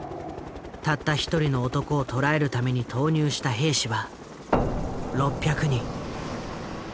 たった一人の男を捕らえるために投入した兵士は６００人。